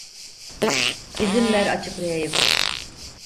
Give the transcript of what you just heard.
İzin ver açıklayayım.